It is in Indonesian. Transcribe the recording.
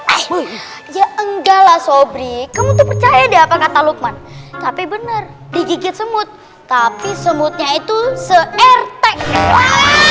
aku ya enggak lah sobri kamu tuh percaya deh apa kata lukman tapi benar digigit semut tapi semutnya itu seertek doang